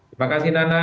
terima kasih nana